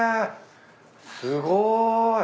すごい。